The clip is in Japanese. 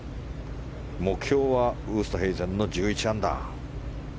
目標はウーストヘイゼンの１１アンダー。